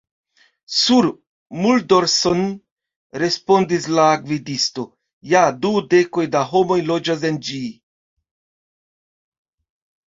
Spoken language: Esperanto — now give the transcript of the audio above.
Sur muldorson! respondis la gvidisto, Ja, du dekoj da homoj loĝas en ĝi.